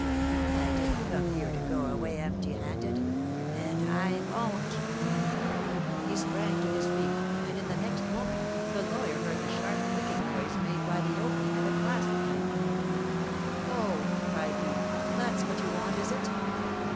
I didn't come here to go away empty handed. AND I WON'T!" He sprang to his feet, and in the next moment the lawyer heard the sharp clicking noise made by the opening of a clasp knife. "O," cried he, "that's what you want, is it!"